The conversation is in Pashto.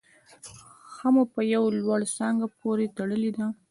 هغه مو په یوه لوړه څانګه پورې تړلې ده